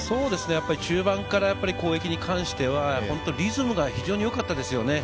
中盤から攻撃に関しては本当にリズムが非常によかったですよね。